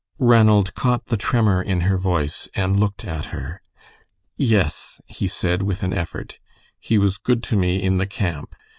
Ranald caught the tremor in her voice and looked at her. "Yes," he said, with an effort. "He was good to me in the camp.